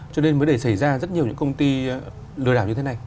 cho nên mới để xảy ra rất nhiều những công ty lừa đảo như thế này